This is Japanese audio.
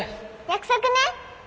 約束ね！